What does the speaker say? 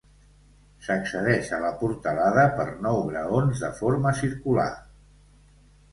S'accedeix a la portalada per nou graons de forma circular.